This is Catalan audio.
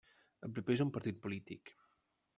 El PP és un partit polític.